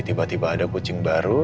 tiba tiba ada kucing baru